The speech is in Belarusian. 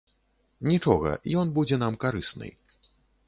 Нічога, ён будзе нам карысны.